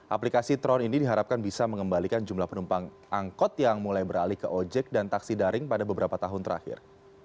aplikasi tron ini diharapkan bisa mengembalikan jumlah penumpang angkot yang mulai beralih ke ojek dan taksi daring pada beberapa tahun terakhir